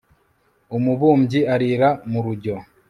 umubumbyi arira mu rujyo